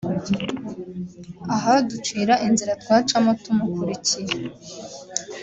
ahaducira inzira twacamo tumukurikiye